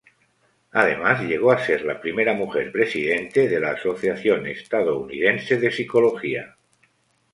Además, llegó a ser la primera mujer presidente de la Asociación Estadounidense de Psicología.